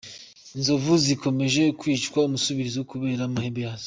Inzovu zikomeje kwicwa umusubizo kubera amahembe yazo